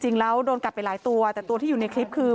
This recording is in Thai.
โดนกัดไปหลายตัวแต่ตัวที่อยู่ในคลิปคือ